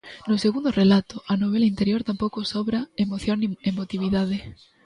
No segundo relato, "A novela interior", tampouco sobra emoción nin emotividade.